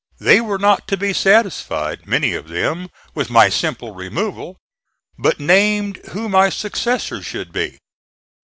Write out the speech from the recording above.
They were not to be satisfied, many of them, with my simple removal, but named who my successor should be.